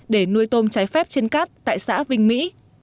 để nuôi tôm trái phép trên cát tại xã vinh mỹ